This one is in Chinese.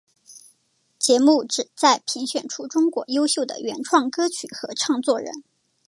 节目旨在评选出中国优秀的原创歌曲与唱作人。